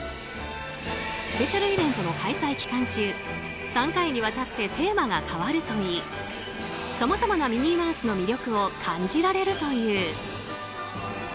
スペシャルイベントの開催期間中３回にわたってテーマが変わるといいさまざまなミニーマウスの魅力を感じられるという。